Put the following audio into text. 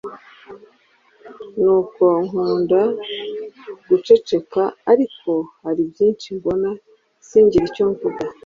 nuko nkunda guceceka ariko hari byishi mbona singire icyo mvuga